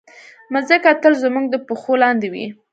مځکه تل زموږ د پښو لاندې وي.